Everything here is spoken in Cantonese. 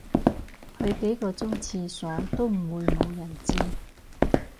去幾個鐘廁所都唔會無人知